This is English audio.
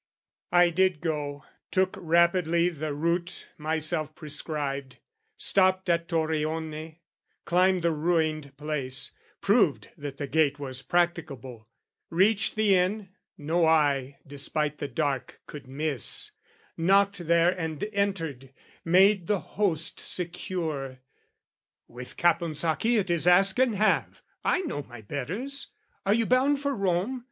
I did go, Took rapidly the route myself prescribed, Stopped at Torrione, climbed the ruined place, Proved that the gate was practicable, reached The inn, no eye, despite the dark, could miss, Knocked there and entered, made the host secure: "With Caponsacchi it is ask and have; "I know my betters. Are you bound for Rome?